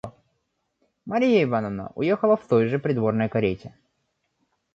Марья Ивановна уехала в той же придворной карете.